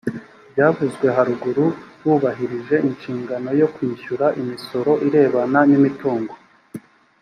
ryavuzwe haruguru bubahirije inshingano yo kwishyura imisoro irebana n imitungo